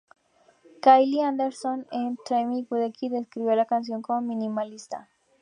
Kyle Anderson de "Entertainment Weekly" describió la canción como "minimalista".